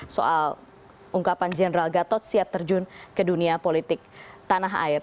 soal ungkapan general gatot siap terjun ke dunia politik tanah air